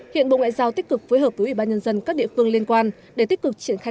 hiện bộ ngoại giao tích cực phối hợp với ủy ban nhân dân các địa phương liên quan để tích cực triển khai